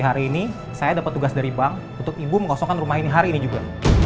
hari ini saya dapat tugas dari bank untuk ibu mengosongkan rumah ini hari ini juga